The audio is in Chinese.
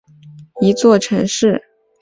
博尔奈斯是瑞典的一座城市。